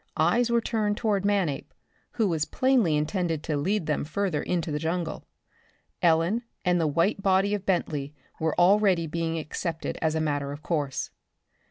Eyes were turned toward Manape, who was plainly intended to lead them further into the jungle. Ellen and the white body of Bentley were already being accepted as a matter of course.